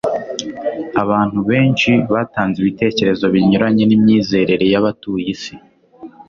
Abantu benshi batanze ibitekerezo binyuranye n'imyizerere y'abatuye isi,